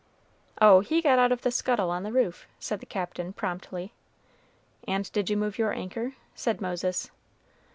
"Oh! he got out of the scuttle on the roof," said the Captain, promptly. "And did you move your anchor?" said Moses.